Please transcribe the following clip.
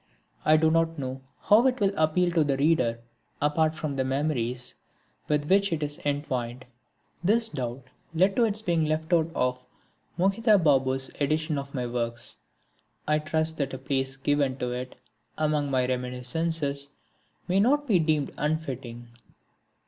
I do not know how it will appeal to the reader apart from the memories with which it is entwined. This doubt led to its being left out of Mohita Babu's edition of my works. I trust that a place given to it among my reminiscences may not be deemed unfitting.